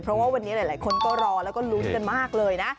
เพราะว่าวันนี้หลายคนก็รอแล้วก็ลุ้นกันมากเลยนะ